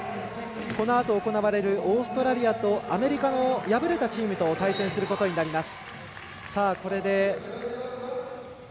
このあと行われるオーストラリアとアメリカの敗れたチームと対戦することになります。